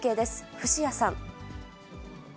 伏屋さん。